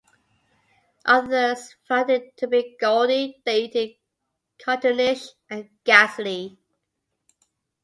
Others found it to be gaudy, dated, cartoonish and ghastly.